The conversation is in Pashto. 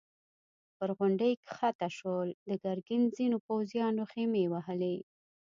پر غونډۍ کښته شول، د ګرګين ځينو پوځيانو خيمې وهلې.